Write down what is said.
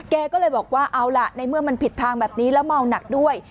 แกก็เลยบอกว่าเอาล่ะในเมื่อมันผิดทางแบบนี้แล้วเมาหนักด้วย